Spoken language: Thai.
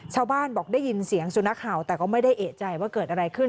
ชาวบ้านบอกได้ยินเสียงสุนัขเห่าแต่ก็ไม่ได้เอกใจว่าเกิดอะไรขึ้น